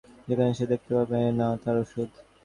যেখানে সে দেখতে পাবে না তার ওষুধ।